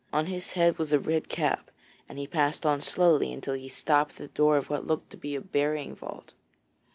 On his head was a red cap, and he passed on slowly until he stopped at the door of what looked to be a burying vault.